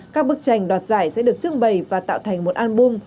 các bức tranh đoạt giải sẽ được trưng bày và tạo thành một album